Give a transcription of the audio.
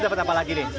itu dapat apa lagi nih